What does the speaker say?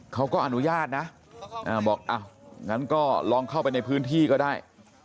เขาก็อนุญาตนะบอกอ้าวงั้นก็ลองเข้าไปในพื้นที่ก็ได้